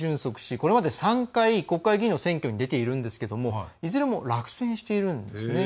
これまで３回、国会議員の選挙に出ているんですけれどもいずれも落選しているんですね。